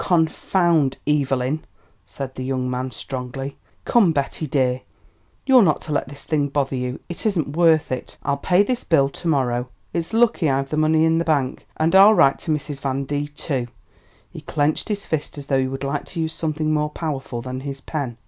"Confound Evelyn!" said the young man strongly. "Come, Betty, dear, you're not to let this thing bother you, it isn't worth it. I'll pay this bill to morrow. It's lucky I've the money in the bank; and I'll write to Mrs. Van D., too." He clenched his fist as though he would like to use something more powerful than his pen.